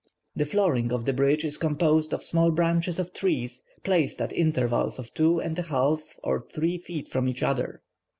The flooring of the bridge is composed of small branches of trees, placed at intervals of two and a half, or three feet from each other.